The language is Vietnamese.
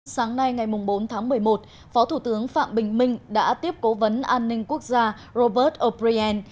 sáng nay ngày bốn tháng một mươi một phó thủ tướng phạm bình minh đã tiếp cố vấn an ninh quốc gia robert o brien